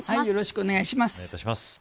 よろしくお願いします。